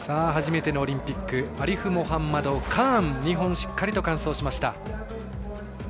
初めてのオリンピックアリフモハンマド・カーン２本、しっかりと完走しました。